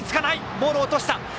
ボール落とした！